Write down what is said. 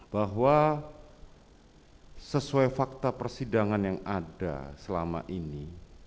bahwa sesuai fakta persidangan yang ada selama ini